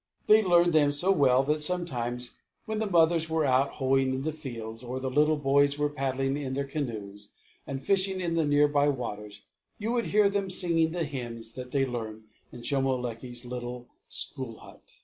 They learned them so well that sometimes when the mothers were out hoeing in the fields, or the little boys were paddling in their canoes and fishing in the marshy waters, you would hear them singing the hymns that they learned in Shomolekae's little school hut.